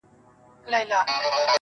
په موږ کي بند دی